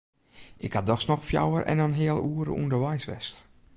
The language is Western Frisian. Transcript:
Ik ha dochs noch fjouwer en in heal oere ûnderweis west.